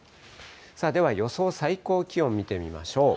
では予想最高気温見てみましょう。